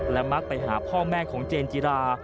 และมักไปหาพ่อแม่ของเจนจิรา